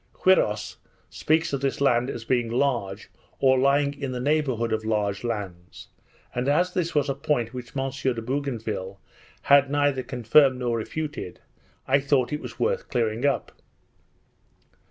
Quiros speaks of this land as being large, or lying in the neighbourhood of large lands; and as this was a point which M. de Bougainville had neither confirmed nor refuted, I thought it was worth clearing up.